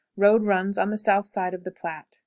Road runs on the south side of the Platte.